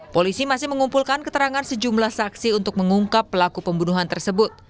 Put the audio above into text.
polisi masih mengumpulkan keterangan sejumlah saksi untuk mengungkap pelaku pembunuhan tersebut